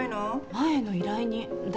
前の依頼人？誰？